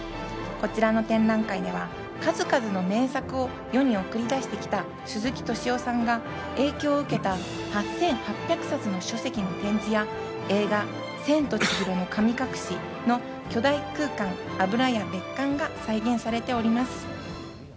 こちらの展覧会では数々の名作を世に送り出してきた鈴木敏夫さんが影響を受けた８８００冊の書籍の展示や、映画『千と千尋の神隠し』の巨大空間・油屋別館が再現されております。